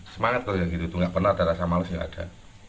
semangat kalau gitu nggak pernah terasa males nggak ada